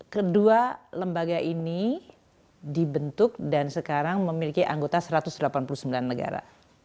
kedua lembaga ini dibentuk dan sekarang memiliki anggota satu ratus delapan puluh sembilan negara